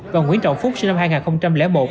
và nguyễn trọng phúc sinh năm hai nghìn một